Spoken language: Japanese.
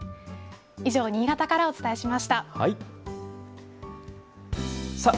以上、新潟からお伝えしました。